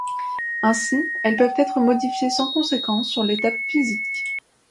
Ainsi, elles peuvent être modifiées sans conséquence sur l'étape physique.